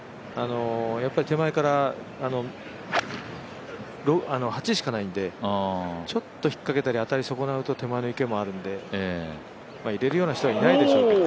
やっぱり手前から８しかないんで、ちょっと引っかけたり、当たり損なうと、手前の池もあるのでまあ、入れるような人はいないでしょうけど。